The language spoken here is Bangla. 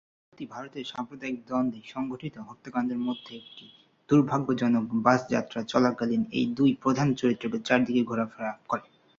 গল্পটি ভারতে সাম্প্রদায়িক দ্বন্দ্বে সংঘটিত হত্যাকাণ্ডের মধ্যে একটি দুর্ভাগ্যজনক বাস যাত্রা চলাকালীন এই দুই প্রধান চরিত্রের চারদিকে ঘোরাফেরা করে।